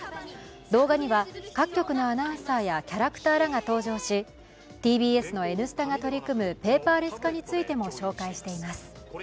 動画には各局のアナウンサーやキャラクターらが登場しＴＢＳの「Ｎスタ」が取り組むペーパーレス化についても紹介しています。